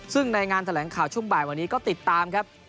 ซึ่งในงานแถลงข่าวช่วงบ่ายวันนี้ก็ติดตามครับ